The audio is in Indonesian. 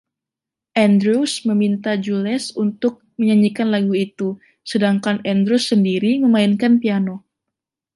Andrews meminta Jules untuk menyanyikan lagu itu, sedangkan Andrews sendiri memainkan piano.